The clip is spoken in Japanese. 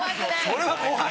それは怖い。